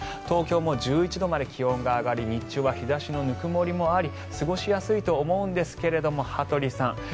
東京も１１度まで気温が上がり日中は日差しの温もりもあり過ごしやすいと思うんですが羽鳥さん